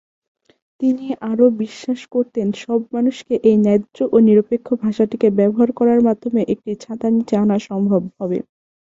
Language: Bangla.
তিনি আরো বিশ্বাস করতেন সব মানুষকে এই ন্যায্য ও নিরপেক্ষ ভাষাটিকে ব্যবহার করার মাধ্যমে একটি ছাতার নিচে আনা সম্ভব হবে।